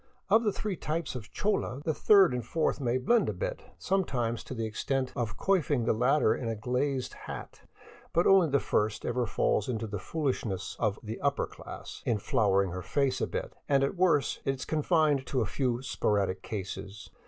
Of the three types of chola, the third and fourth may blend a bit, sometimes to the extent of coiffing the latter in a glazed hat ; but only the first ever falls into the foolishness of the " upper '* class in flouring her face a bit, and at worst it is confined to a few sporadic cases.